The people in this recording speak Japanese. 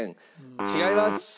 違います！